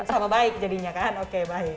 sama baik jadinya kan oke baik